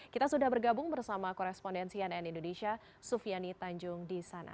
kita sudah bergabung bersama korespondensi nn indonesia sufiani tanjung di sana